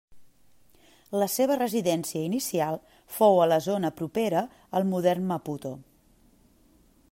La seva residència inicial fou a la zona propera al modern Maputo.